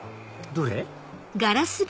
どれ？